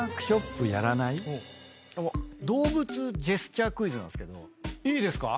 動物ジェスチャークイズなんすけどいいですか？